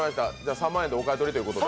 ３万円でお買い取りということで。